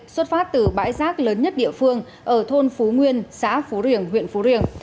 xuất phát từ bãi rác lớn nhất địa phương ở thôn phú nguyên xã phú riềng huyện phú riềng